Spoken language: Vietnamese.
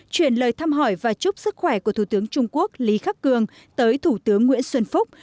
chuyển lời thăm hỏi và chúc sức khỏe của thủ tướng trung quốc lý khắc cường tới thủ tướng nguyễn xuân phúc